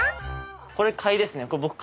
これ買いですね。